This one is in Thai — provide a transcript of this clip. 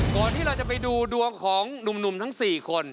ก่อนที่เราจะไปดูดวงของหนุ่มทั้ง๔คน